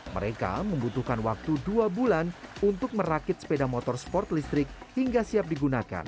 mereka membutuhkan waktu dua bulan untuk merakit sepeda motor sport listrik hingga siap digunakan